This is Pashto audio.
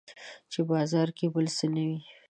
چې بازار کې بل څه نه وي